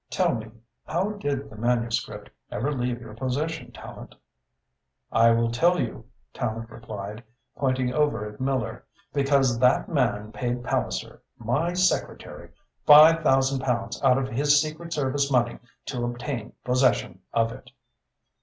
"Tell me, how did the manuscript ever leave your possession, Tallente?" "I will tell you," Tallente replied, pointing over at Miller. "Because that man paid Palliser, my secretary, five thousand pounds out of his secret service money to obtain possession of it."